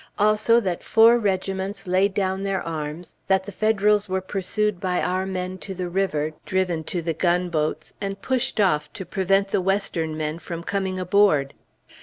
Also that four regiments laid down their arms, that the Federals were pursued by our men to the river, driven to the gunboats, and pushed off to prevent the Western men from coming aboard.